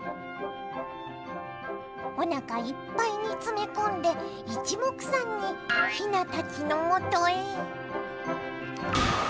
おなかいっぱいに詰め込んでいちもくさんにひなたちのもとへ。